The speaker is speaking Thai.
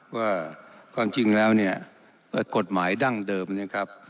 ว่าความจริงแล้วเนี่ยกฎหมายดั้งเดิมนะครับ